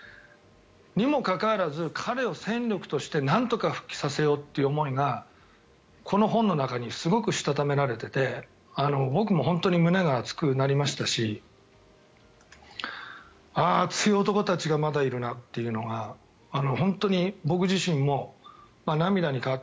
にもかかわらず彼を戦力としてなんとか復帰させようという思いがこの本の中にすごくしたためられてて僕も本当に胸が熱くなりましたし熱い男たちがまだいるなっていうのが本当に僕自身も涙に変わって。